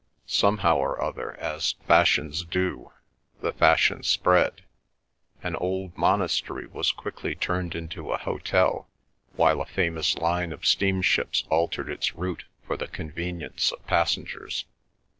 Somehow or other, as fashions do, the fashion spread; an old monastery was quickly turned into a hotel, while a famous line of steamships altered its route for the convenience of passengers.